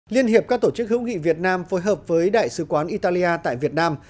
liên hiệp các tổ chức hữu nghị việt nam phối hợp với đại sứ quán italia tại việt nam